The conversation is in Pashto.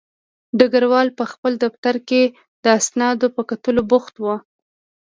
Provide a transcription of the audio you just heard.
ډګروال په خپل دفتر کې د اسنادو په کتلو بوخت و